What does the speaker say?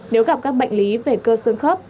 nếu gặp các bệnh lý về cơ sơn khớp